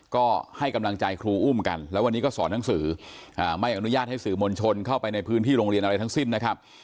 ก็ให้กำลังใจครูอุ้มกันแล้ววันนี้ก็สอนหนังสือไม่อนุญาตให้สื่อมวลชนเข้าไปในพื้นที่โรงเรียนอะไรทั้งสิ้นนะครับ